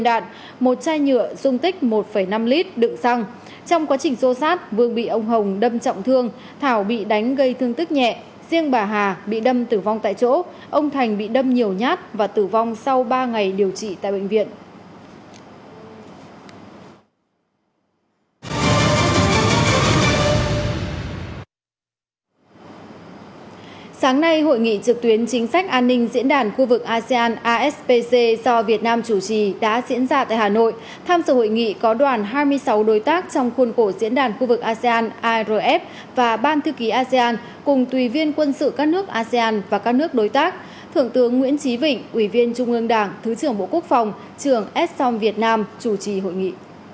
trước khi hội nghị trực tuyến chính sách an ninh diễn đàn khu vực asean aspc do việt nam chủ trì đã diễn ra tại hà nội tham dự hội nghị có đoàn hai mươi sáu đối tác trong khuôn cổ diễn đàn khu vực asean irf và ban thư ký asean cùng tùy viên quân sự các nước asean và các nước đối tác thượng tướng nguyễn trí vĩnh ủy viên trung ương đảng thứ trưởng bộ quốc phòng trường s song việt nam chủ trì hội nghị